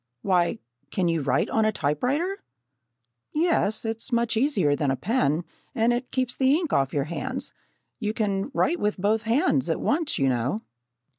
"Why, can you write on a typewriter?" "Yes, it's much easier than a pen, and it keeps the ink off your hands. You can write with both hands at once, you know."